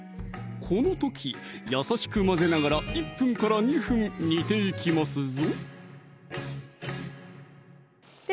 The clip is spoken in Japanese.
この時優しく混ぜながら１２分煮ていきますぞで